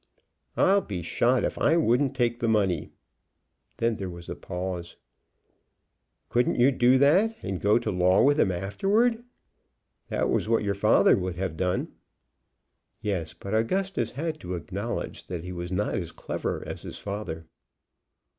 "I'll be shot if I wouldn't take the money." Then there was a pause. "Couldn't you do that and go to law with him afterward? That was what your father would have done." Yes; but Augustus had to acknowledge that he was not as clever as his father.